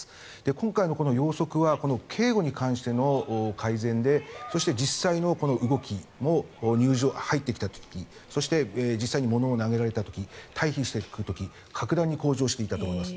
今回の要則は警護に関しての改善でそして実際の動きも入ってきた時そして実際に物を投げられた時退避していく時格段に向上していたと思います。